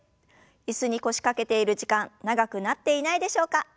椅子に腰掛けている時間長くなっていないでしょうか？